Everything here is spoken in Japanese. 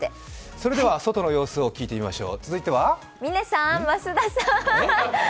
それでは外の様子を聞いてみましょう。